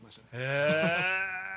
へえ！